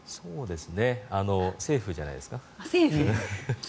セーフじゃないですか。